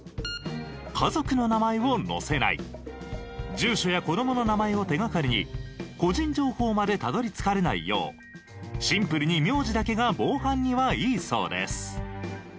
住所や子供の名前を手掛かりに個人情報までたどり着かれないようシンプルに名字だけが防犯にはいいそうです。